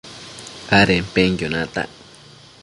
adenpenquio natac